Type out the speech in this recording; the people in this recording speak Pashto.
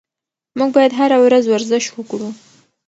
موږ باید هره ورځ ورزش وکړو.